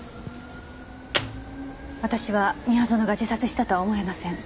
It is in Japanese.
私は宮園が自殺したとは思えません。